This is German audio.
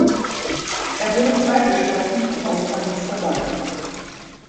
Er wurde freigesprochen und aus Paris verbannt.